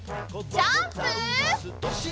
ジャンプ！